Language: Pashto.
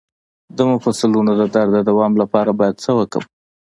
د مفصلونو د درد د دوام لپاره باید څه وکړم؟